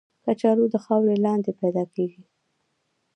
کچالو د خاورې لاندې پیدا کېږي